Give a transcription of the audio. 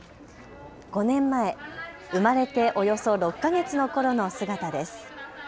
５年前、生まれておよそ６か月のころの姿です。